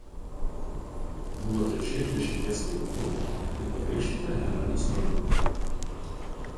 Buvo trečia iš dešimties vaikų ir pakrikštyta Helenos vardu.